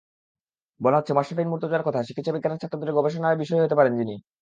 বলা হচ্ছে, মাশরাফি বিন মুর্তজার কথা, চিকিৎসাবিজ্ঞানের ছাত্রদের গবেষণার বিষয় হতে পারেন যিনি।